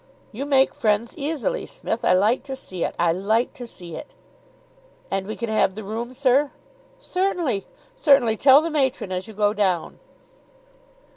"You make friends easily, Smith. I like to see it I like to see it." "And we can have the room, sir?" "Certainly certainly! Tell the matron as you go down."